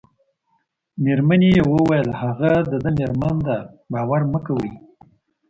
مېرمنې یې وویل: هغه د ده مېرمن ده، باور مه کوئ.